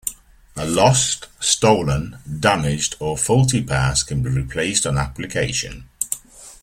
A lost, stolen, damaged, or faulty pass can be replaced on application.